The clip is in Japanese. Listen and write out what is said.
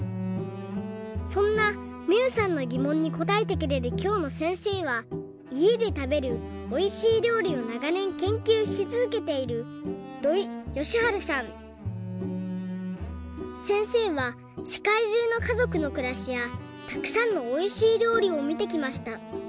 そんなみゆさんのぎもんにこたえてくれるきょうのせんせいはいえでたべるおいしい料理をながねん研究しつづけているせんせいはせかいじゅうのかぞくのくらしやたくさんのおいしい料理をみてきました。